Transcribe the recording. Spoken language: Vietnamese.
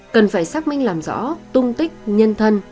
cần phải xác minh làm rõ tung tích nhân thân